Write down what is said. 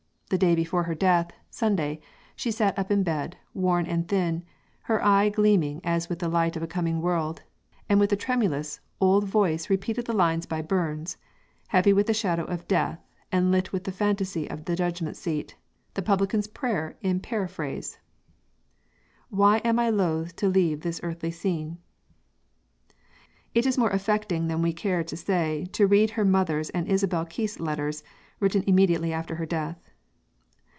The day before her death, Sunday, she sat up in bed, worn and thin, her eye gleaming as with the light of a coming world, and with a tremulous, old voice repeated the lines by Burns, heavy with the shadow of death, and lit with the fantasy of the judgment seat, the publican's prayer in paraphrase: Why am I loth to leave this earthly scene It is more affecting than we care to say to read her mother's and Isabella Keith's letters, written immediately after her death.